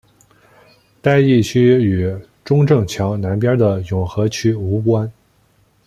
该地区与中正桥南边的永和区无关。